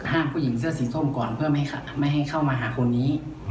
ผู้หญิงเสื้อสีส้มก่อนเพื่อไม่ให้เข้ามาหาคนนี้